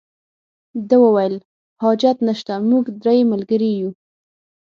ده وویل حاجت نشته موږ درې ملګري یو.